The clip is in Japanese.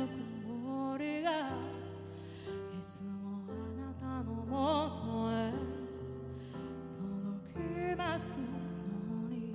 「いつもあなたのもとへ届きますように」